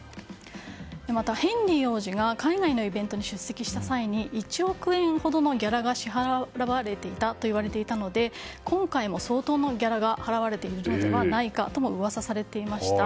また、ヘンリー王子が海外のイベントに出席した際に１億円ほどのギャラが支払われていたというので今回も相当のギャラが払われているのではないかと噂されていました。